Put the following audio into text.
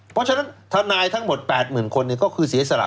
เพราะฉะนั้นทนายทั้งหมด๘๐๐๐คนก็คือเสียสละ